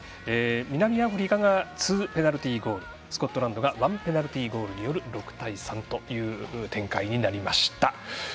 南アフリカが２ペナルティーゴールスコットランドが１ペナルティーゴールで６対３という展開でした。